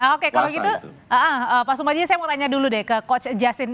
oke kalau gitu pak sumajina saya mau tanya dulu deh ke coach justin